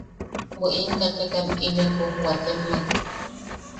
Bwe im katekan, inepo waatemmak.